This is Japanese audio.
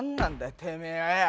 てめえはよ。